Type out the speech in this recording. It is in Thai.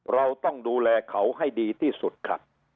เราต้องดูแลเขาให้ดีที่สุดครับ